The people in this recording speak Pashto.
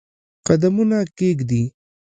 قدمونه کښېږدي